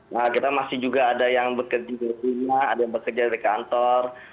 nah kita masih juga ada yang bekerja di rumah ada yang bekerja dari kantor